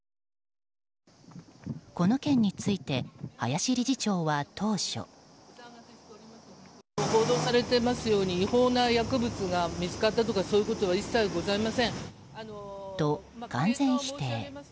この件について林理事長は当初。と、完全否定。